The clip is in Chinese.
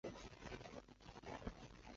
记得注意安全，到了之后给我发个微信。